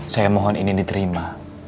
saya mohon ini diterima